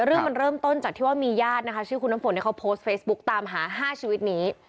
เรื่องมันเริ่มต้นจากที่ว่ามีญาตินะคะชื่อคุณน้ำฝนเขาโพสต์เฟซบุ๊กตามหา๕ชีวิตนี้